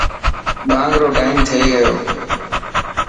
ٻانگ رو ٽائيم ٿي گيو.